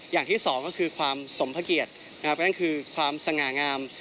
อย่างที่สองก็คือความสมภเกียรติคือความสง่างาม